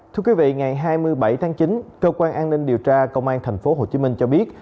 thưa quý vị ngày hai mươi bảy tháng chín cơ quan an ninh điều tra công an tp hcm cho biết